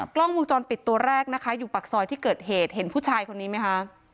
กล้องวงจรปิดตัวแรกนะคะอยู่ปากซอยที่เกิดเหตุเห็นผู้ชายคนนี้ไหมคะ